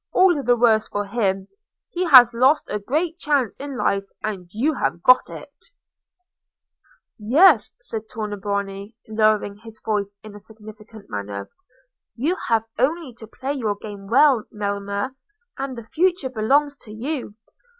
All the worse for him. He has lost a great chance in life, and you have got it." "Yes," said Tornabuoni, lowering his voice in a significant manner, "you have only to play your game well, Melema, and the future belongs to you.